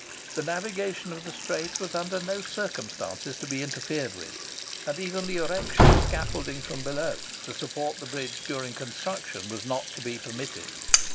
The navigation of the Strait was under no circumstances to be interfered with; and even the erection of scaffolding from below, to support the bridge during construction, was not to be permitted.